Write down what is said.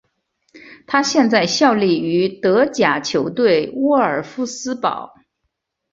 他现在效力于德甲球队沃尔夫斯堡。